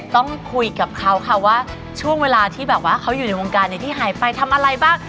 ต้องคุยกับเขาค่ะว่าช่วงเวลาที่แบบว่าเขาอยู่ในวงการที่หายไปทำอะไรบ้าง